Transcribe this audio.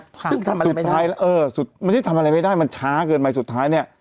ซึ่งทำอะไรไม่ได้เออมันไม่ใช่ทำอะไรไม่ได้มันช้าเกินไปสุดท้ายเนี้ย